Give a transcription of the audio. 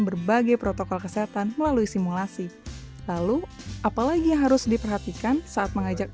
berbagai protokol kesehatan melalui simulasi lalu apalagi harus diperhatikan saat mengajak